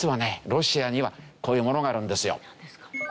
ロシアにはこういうものがあるんですよ。